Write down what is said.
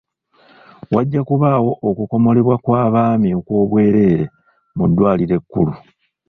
Wajja kubaawo okukomolebwa kw'abaami okw'obwereere mu ddwaliro ekkulu.